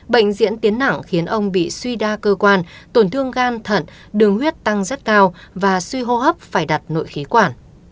bệnh diễn tiến nặng khiến ông bị suy đa cơ quan tổn thương gan thận đường huyết tăng rất cao và suy hô hấp phải đặt nội khí quản